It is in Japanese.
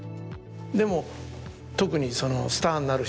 でも特に。